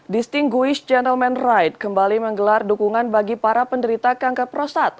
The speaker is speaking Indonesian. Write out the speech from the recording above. distinguished gentleman's ride kembali menggelar dukungan bagi para penderita kanker prostat